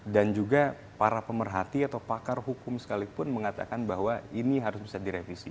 dan juga para pemerhati atau pakar hukum sekalipun mengatakan bahwa ini harus bisa direvisi